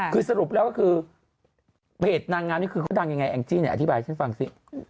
คือสรุปแล้วก็คือเพจนางงามนี่คือเขาดังยังไงแองจี้เนี่ยอธิบายให้ฉันฟังสิ